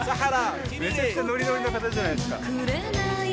めちゃくちゃノリノリの方じゃないですか